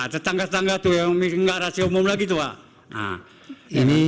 tetangga tetangga itu yang tidak rasio umum lagi pak